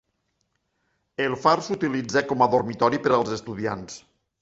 El far s'utilitza com a dormitori per als estudiants.